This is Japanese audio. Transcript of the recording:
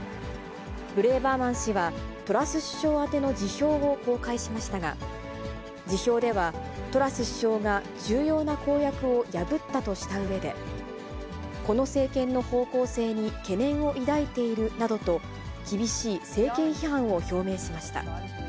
ブレーバーマン氏はトラス首相宛ての辞表を公開しましたが、辞表ではトラス首相が重要な公約を破ったとしたうえで、この政権の方向性に懸念を抱いているなどと、厳しい政権批判を表明しました。